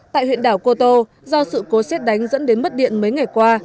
tại huyện đảo cô tô do sự cố xét đánh dẫn đến mất điện mấy ngày qua